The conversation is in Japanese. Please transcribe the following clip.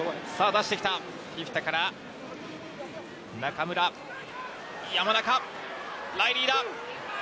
出してきた、フィフィタから中村、山中、ライリーだ。